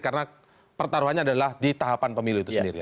karena pertaruhannya adalah di tahapan pemilu itu sendiri